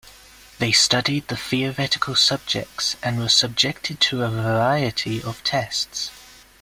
They studied theoretical subjects and were subjected to a variety of tests.